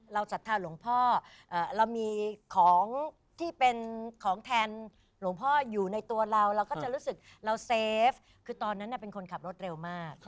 ศรัทธาหลวงพ่อเรามีของที่เป็นของแทนหลวงพ่ออยู่ในตัวเราเราก็จะรู้สึกเราเซฟคือตอนนั้นเป็นคนขับรถเร็วมาก